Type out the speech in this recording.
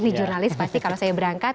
jadi jurnalis pasti kalau saya berangkat